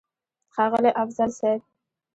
ښاغلی افضل صيب!!